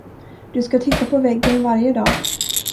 Du ska titta på väggen varje dag.